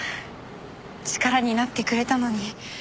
力になってくれたのに。